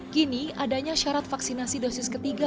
kini adanya syarat vaksinasi dosis ketiga